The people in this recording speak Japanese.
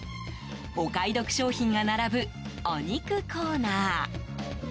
お買い得商品が並ぶお肉コーナー。